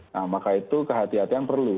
nah maka itu kehati hatian perlu